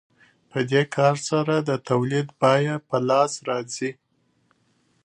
په دې کار سره د تولید بیه په لاس راځي